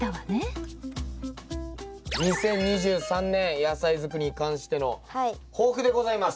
２０２３年野菜づくりに関しての抱負でございます。